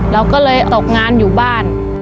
เราก็เลยตกงานอยู่บ้าน